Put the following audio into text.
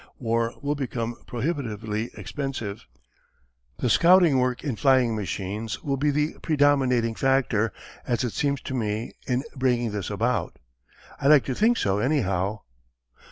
War will become prohibitively expensive. The scouting work in flying machines will be the predominating factor, as it seems to me, in bringing this about. I like to think so anyhow."